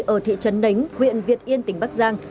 ở thị trấn nánh huyện việt yên tỉnh bắc giang